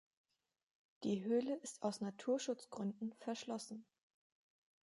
Die Höhle ist aus Naturschutzgründen verschlossen.